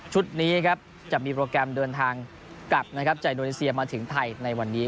นี้ครับจะมีโปรแกรมเดินทางกลับนะครับจากอินโดนีเซียมาถึงไทยในวันนี้